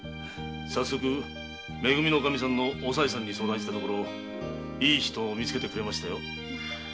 早速「め組」のオカミさんに相談したところいい人を見つけてくれましたよ。